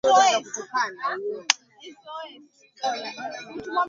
zinaweza pia kwa wakati huohuo kupunguza kiwango cha kaboni